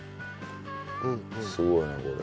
すごいねこれ。